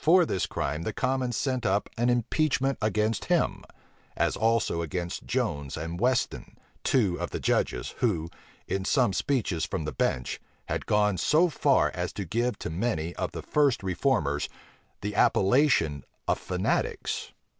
For this crime the commons sent up an impeachment against him; as also against Jones and Weston, two of the judges, who, in some speeches from the bench, had gone so far as to give to many of the first reformers the appellation of fanatics.